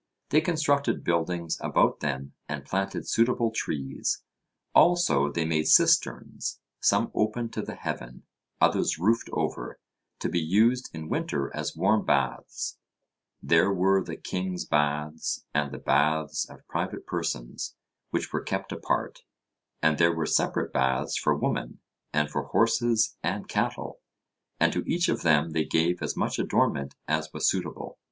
They constructed buildings about them and planted suitable trees, also they made cisterns, some open to the heaven, others roofed over, to be used in winter as warm baths; there were the kings' baths, and the baths of private persons, which were kept apart; and there were separate baths for women, and for horses and cattle, and to each of them they gave as much adornment as was suitable.